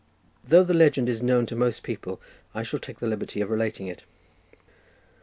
Though the legend is known to most people, I shall take the liberty of relating it.